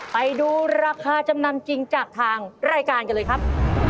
ไปดูราคาจำนำจริงจากทางรายการกันเลยครับ